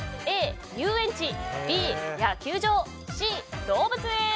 Ａ、遊園地Ｂ、野球場Ｃ、動物園。